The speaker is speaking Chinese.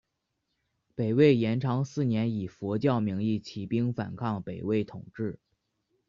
北魏延昌四年以佛教名义起兵反抗北魏统治。